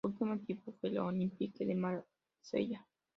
Su último equipo fue el Olympique de Marsella.